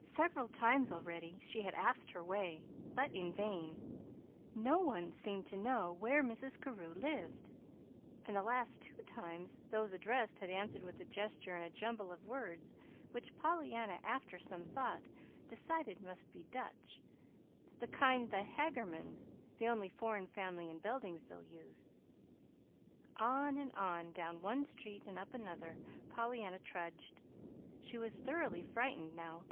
Several times, already, she had asked her way, but in vain. No one seemed to know where Mrs. Carew lived; and, the last two times, those addressed had answered with a gesture and a jumble of words which Pollyanna, after some thought, decided must be "Dutch," the kind the Haggermans the only foreign family in Beldingsville used. On and on, down one street and up another, Pollyanna trudged. She was thoroughly frightened now.